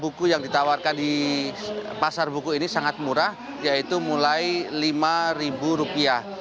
buku yang ditawarkan di pasar buku ini sangat murah yaitu mulai lima ribu rupiah